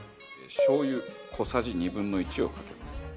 しょう油小さじ２分の１をかけます。